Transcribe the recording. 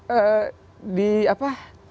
pak ini kan partai yang banyak